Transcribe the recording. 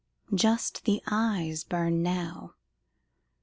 Just the eyes burn now.